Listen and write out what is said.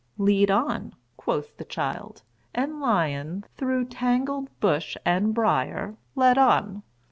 "Lead on," quoth the child; and Lion, through tangled bush and briar, led on.